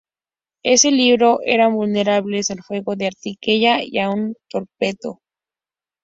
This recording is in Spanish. En el libro, eran vulnerables al fuego de artillería y a un torpedo.